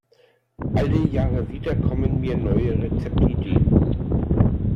Alle Jahre wieder kommen mir neue Rezeptideen.